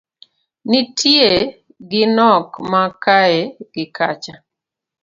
Nitie gi nok ma kae gi kacha